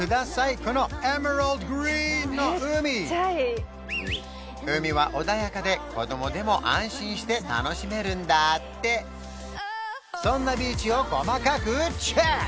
このエメラルドグリーンの海して楽しめるんだってそんなビーチを細かくチェック！